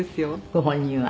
「ご本人は？」